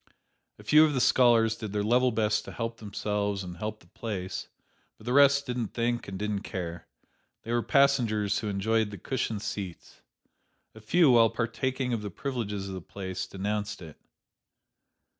A few of the scholars did their level best to help themselves and help the place, but the rest didn't think and didn't care. They were passengers who enjoyed the cushioned seats. A few, while partaking of the privileges of the place, denounced it.